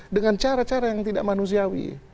dengan cara cara yang tidak manusiawi